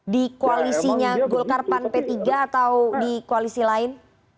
di koalisinya golkarpan p tiga atau di koalisi lain